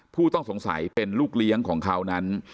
ผู้ต้องสงสัยเป็นลูกเลี้ยงของเขานั้น